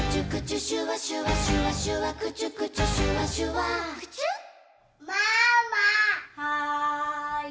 はい。